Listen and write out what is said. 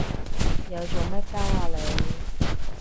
又做乜鳩呀你？